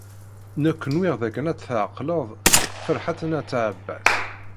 Nekk nwiɣ dakken ad tɛeqleḍ Ferḥat n At Ɛebbas.